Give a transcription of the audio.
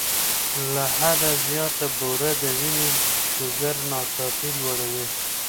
له حده زیات بوره د وینې شوګر ناڅاپي لوړوي.